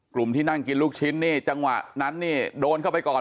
ที่นั่งกินลูกชิ้นนี่จังหวะนั้นนี่โดนเข้าไปก่อน